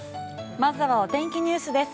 まずはお天気ニュースです。